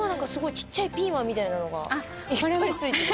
ちっちゃいピーマンみたいなのがいっぱいついてる。